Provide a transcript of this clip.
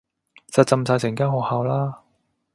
實浸晒成間學校啦